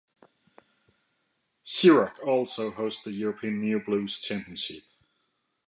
Ceroc also hosts the European Neo-Blues Championships.